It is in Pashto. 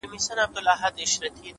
هره پرېکړه د راتلونکي انځور جوړوي